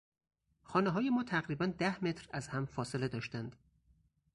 خانههای ما تقریبا ده متر از هم فاصله داشتند.